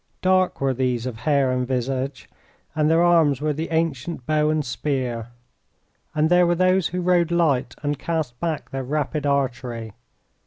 Dark were these of hair and visage, and their arms were the ancient bow and spear. And there were those who rode light and cast back their rapid archery.